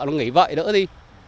nó nghỉ vợi nữa đi